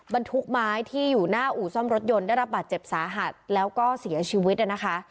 บรรทุกไม้ที่อยู่หน้าอู่ซ่อมรถยนต์ได้รับบาดเจ็บสาหัสแล้วก็เสียชีวิตนะคะ